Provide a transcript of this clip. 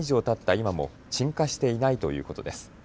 今も鎮火していないということです。